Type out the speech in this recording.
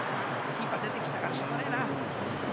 キーパー出てきたからしょうがねえな。